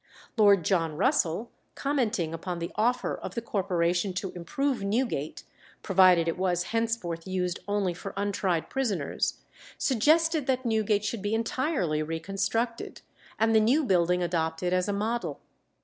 Lord John Russell, commenting upon the offer of the Corporation to improve Newgate, provided it was henceforth used only for untried prisoners, suggested that Newgate should be entirely reconstructed, and the new building adopted as a model.